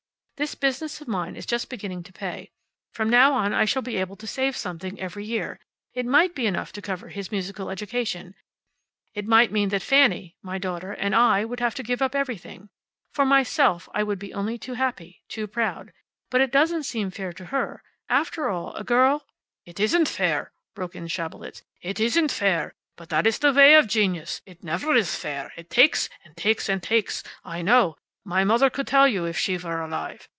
This business of mine is just beginning to pay. From now on I shall be able to save something every year. It might be enough to cover his musical education. It would mean that Fanny my daughter and I would have to give up everything. For myself, I should be only too happy, too proud. But it doesn't seem fair to her. After all, a girl " "It isn't fair," broke in Schabelitz. "It isn't fair. But that is the way of genius. It never is fair. It takes, and takes, and takes. I know. My mother could tell you, if she were alive.